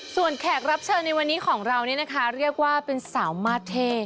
ส่วนแขกรับเชิญในวันนี้ของเรานี่นะคะเรียกว่าเป็นสาวมาสเท่